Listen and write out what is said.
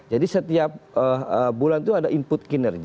jadi setiap bulan itu ada input kinerja